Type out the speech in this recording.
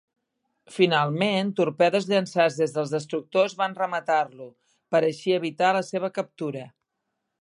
Finalment, torpedes llançats des dels destructors van rematar-lo, per així evitar la seva captura.